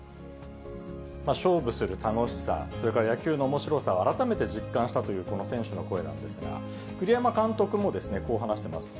勝負する楽しさ、それから野球のおもしろさを改めて実感したというこの選手の声なんですが、栗山監督もですね、こう話してます。